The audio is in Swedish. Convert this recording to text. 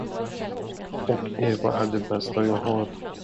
Och Eva är det bästa jag har.